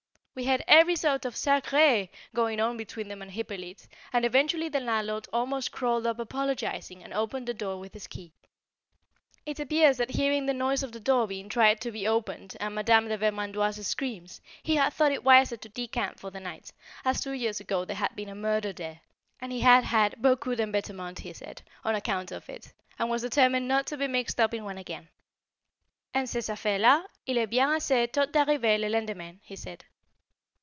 We heard every sort of "Sacrés!" going on between them and Hippolyte, and eventually the landlord almost crawled up apologising, and opened the door with his key. [Sidenote: A Cautious Landlord] It appears that hearing the noise of the door being tried to be opened and Madame de Vermandoise's screams, he had thought it wiser to decamp for the night, as two years ago there had been a murder there, and he had had "beaucoup d'embêtement," he said, on account of it, and was determined not to be mixed up in one again, "En ces affaires là, il est bien assez tôt d'arriver le lendemain," he said.